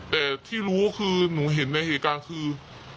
แต่ที่รู้คือหนูเห็นในเหตุการณ์คือ